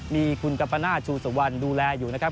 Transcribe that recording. มีคุณกัมพนาสชูสุวันดูแลอยู่ใช่ไหมครับ